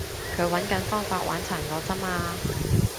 佢搵緊方法玩殘我咋嘛